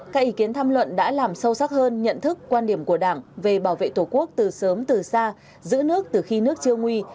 các ý kiến tham luận đã làm sâu sắc hơn nhận thức quan điểm của đảng về bảo vệ tổ quốc từ sớm từ xa giữ nước từ khi nước chưa nguy